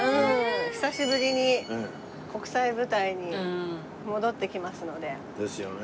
久しぶりに国際舞台に戻ってきますので。ですよね。